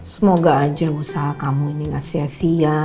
semoga aja usaha kamu ini gak sia sia